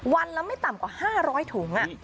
วันละไม่ต่ำกว่า๕๐๐ถุง